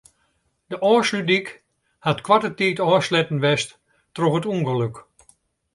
De Ofslútdyk hat koarte tiid ôfsletten west troch it ûngelok.